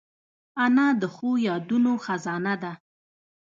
انا د ښو یادونو خزانه ده